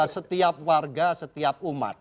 setiap warga setiap umat